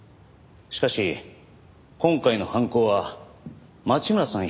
しかし今回の犯行は町村さん